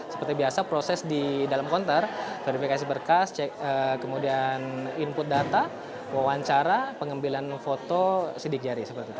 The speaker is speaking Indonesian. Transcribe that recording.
seperti biasa proses di dalam konter verifikasi berkas kemudian input data wawancara pengambilan foto sidik jari